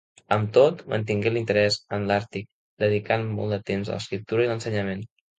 Amb tot, mantingué l'interès en l'Àrtic, dedicant molt de temps a l'escriptura i l'ensenyament.